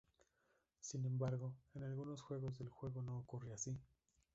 Sin embargo, en algunos juegos del juego no ocurre así.